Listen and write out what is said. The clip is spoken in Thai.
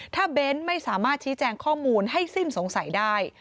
ถ้าเบ้นไม่สามารถชี้แจงข้อมูลให้สิ้นสงสัยได้